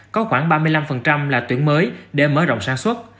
có khoảng ba mươi năm là tuyển mới để mở rộng sản xuất